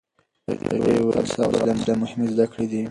هغې ویلي، صبر او حوصله مهمې زده کړې دي.